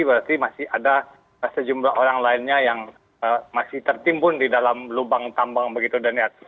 berarti masih ada sejumlah orang lainnya yang masih tertimbun di dalam lubang tambang begitu daniar